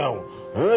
ええ？